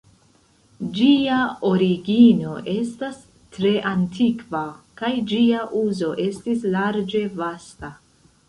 Ĝia origino estas tre antikva, kaj ĝia uzo estis larĝe vasta.